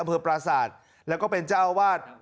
อำเภอปราสาทและก็เป็นเจ้าวาด